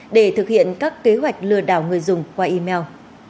để thực hiện các kế hoạch lừa đảo người dùng qua email